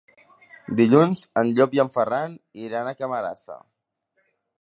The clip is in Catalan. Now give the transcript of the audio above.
Dilluns en Llop i en Ferran iran a Camarasa.